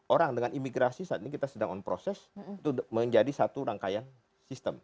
orang dengan imigrasi saat ini kita sedang on process itu menjadi satu rangkaian sistem